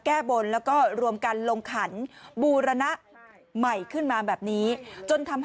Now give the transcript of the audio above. แก้บนแล้วก็รวมกันลงขันบูรณะใหม่ขึ้นมาแบบนี้จนทำให้